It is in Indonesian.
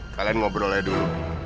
kalian ngobrol aja dulu